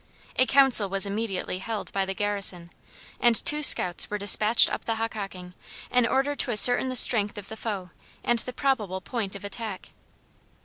A council was immediately held by the garrison, and two scouts were dispatched up the Hockhocking, in order to ascertain the strength of the foe and the probable point of attack.